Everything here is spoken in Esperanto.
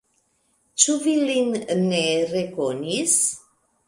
Ĉu vi lin ne rekonis?